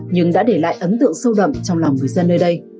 nhưng đã để lại ấn tượng sâu đậm trong lòng người dân nơi đây